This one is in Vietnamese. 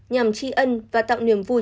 nhằm tri ân và tạo niềm vui